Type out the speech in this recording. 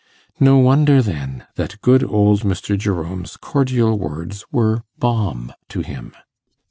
No wonder, then, that good old Mr. Jerome's cordial words were balm to him.